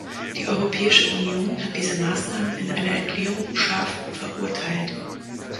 Die Europäische Union hat diese Maßnahmen in einer Erklärung scharf verurteilt.